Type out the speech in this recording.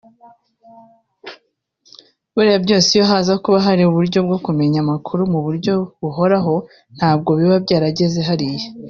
Biriya byose iyo haza kuba hari uburyo bwo kumenya amakuru mu buryo buhoraho ntabwo biba byarageze hariya